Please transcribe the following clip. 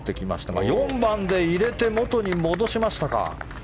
４番で入れてもとに戻しました。